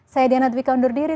saya diana dwi kaundur diri